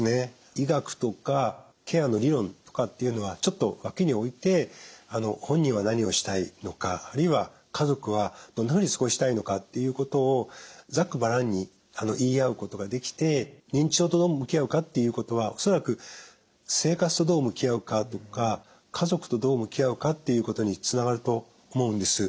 医学とかケアの理論とかっていうのはちょっと脇に置いて本人は何をしたいのかあるいは家族はどんなふうに過ごしたいのかっていうことをざっくばらんに言い合うことができて認知症とどう向き合うかっていうことは恐らく生活とどう向き合うかとか家族とどう向き合うかっていうことにつながると思うんです。